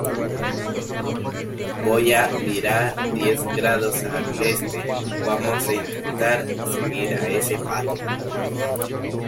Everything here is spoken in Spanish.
voy a virar diez grados al Este. vamos a intentar seguir a ese pato .